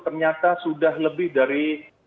ternyata sudah lebih dari